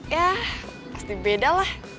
ya pasti bedalah